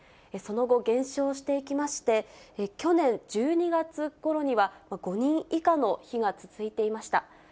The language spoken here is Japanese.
その後、減少していきまして、去年１２月ごろには、５人以下の日が続いていました。